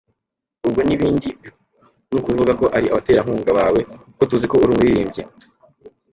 com: Ubwo n’ibindi nukuvuga ko ari abaterankunga bawe kuko tuziko uri umuririmbyi?.